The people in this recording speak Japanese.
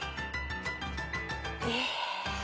え。